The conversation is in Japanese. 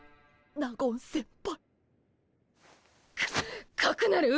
納言先輩。